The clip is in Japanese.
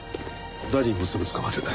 ダディもすぐ捕まる。